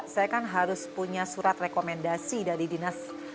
saya kan harus punya surat rekomendasi dari dinas